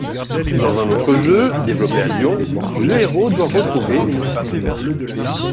Dans un autre jeu, développé à Lyon, le héros doit retrouver une femme morte.